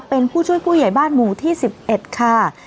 เป็นผู้ช่วยผู้ใหญ่บ้านหมู่ที่๑๑ค่ะ